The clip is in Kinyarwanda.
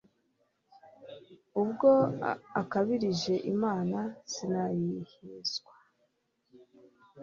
Ubwo akabirije imana sinayihezwa.